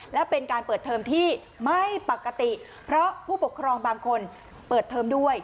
และเป็นการเปิดเทอมที่ไม่ปกติเพราะผู้ปกครองบางคนเปิดเทอมด้วย